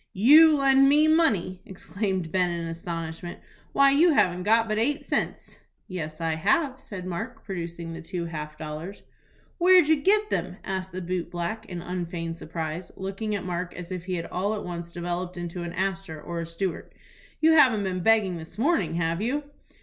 "You lend me money!" exclaimed Ben, in astonishment. "Why, you haven't got but eight cents." "Yes, I have," said Mark, producing the two half dollars. "Where'd you get them?" asked the boot black, in unfeigned surprise, looking at Mark as if he had all at once developed into an Astor or a Stewart. "You haven't been begging this morning, have you?"